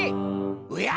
おや！